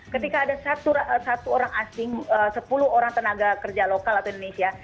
ketika ada satu orang asing sepuluh orang tenaga kerja lokal atau indonesia